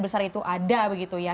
besar itu ada begitu ya